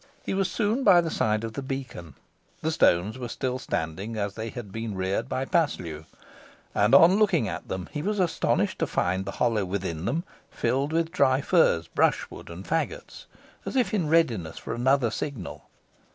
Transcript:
He was soon by the side of the beacon. The stones were still standing as they had been reared by Paslew, and on looking at them he was astonished to find the hollow within them filled with dry furze, brushwood, and fagots, as if in readiness for another signal.